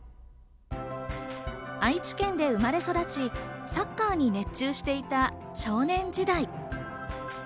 愛知県で生まれ育ち、サッカーに熱中していた少年時代。